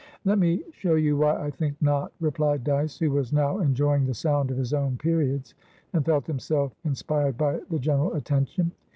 "Let me show you why I think not," replied Dyce, who was now enjoying the sound of his own periods, and felt himself inspired by the general attention.